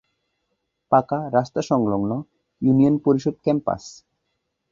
পাকা রাস্তা সংলগ্ন ইউনিয়ন পরিষদ ক্যাম্পাস।